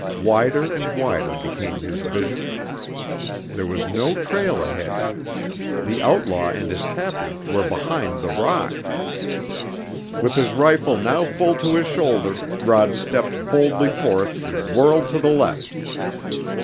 Wider and wider became his vision. There was no trail ahead. The outlaw and his captive were behind the rock! With his rifle now full to his shoulder Rod stepped boldly forth and whirled to the left.